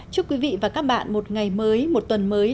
chúc quý vị và các bạn một ngày mới một tuần mới